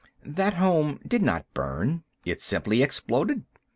That home did not burn; it simply exploded.